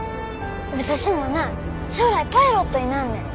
私もな将来パイロットになんねん。